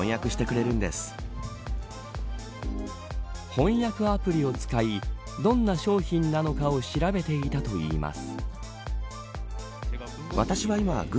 翻訳アプリを使いどんな商品なのかを調べていたといいます。